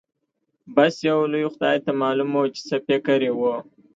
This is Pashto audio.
بس يو لوی خدای ته معلومه وه چې څه يې فکر و.